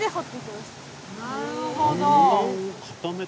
なるほど！